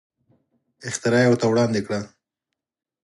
اختراع یې ورته وړاندې کړه.